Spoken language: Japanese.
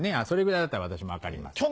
それぐらいだったら私も分かります。